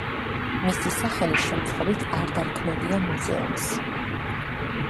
მისი სახელი შემთხვევით არ დარქმევია მუზეუმს.